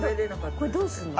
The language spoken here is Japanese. これどうするの？